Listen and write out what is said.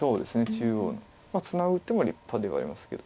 中央にツナぐ手も立派ではありますけど。